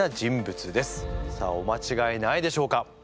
さあおまちがえないでしょうか？